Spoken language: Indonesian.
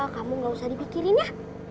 kamu gak usah dipikirin ya